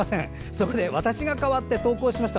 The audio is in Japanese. そこで私が代わって投稿しました。